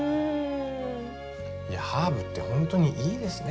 いやハーブって本当にいいですね。